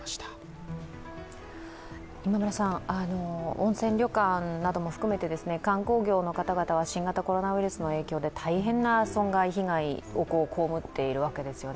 温泉旅館なども含めて、観光業の方々は新型コロナウイルスの影響で大変な損害、被害を被っているわけです